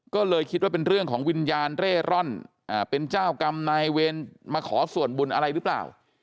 ก็เลยคิดว่าเป็นเรื่องของวิญญาณเร่ร่อนเป็นเจ้ากรรมนายเวรมาขอส่วนบุญอะไรหรือเปล่า